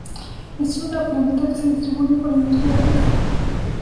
Es una planta que se distribuye por el norte de África.